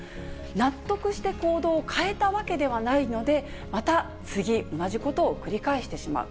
納得して行動を変えたわけではないので、また次同じ事を繰り返してしまう。